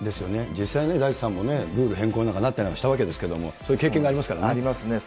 実際に大地さんもね、ルール変更になったりしたわけですけれども、そういう経験がありますね。